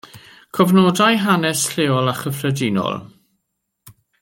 Cofnodai hanes lleol a chyffredinol.